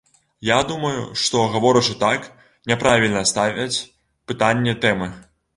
Я думаю, што, гаворачы так, няправільна ставяць пытанне тэмы.